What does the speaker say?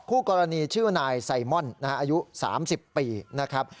คู่กรณีชื่อนายไซมอนอายุ๓๐ปีนะครับ